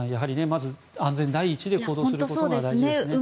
まず安全第一で行動することが大事ですね。